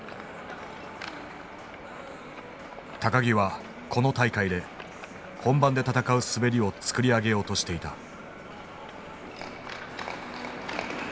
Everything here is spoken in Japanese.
木はこの大会で本番で戦う滑りを作り上げようとしていた。